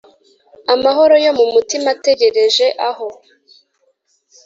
amahoro yo mumutima ategereje aho.